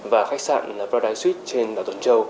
và khách sạn paradise suite trên đảo tuần châu